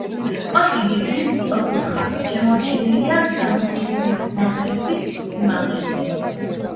კოშკი გეგმით სწორკუთხაა, შემორჩენილია სართულნახევრის სიმაღლეზე.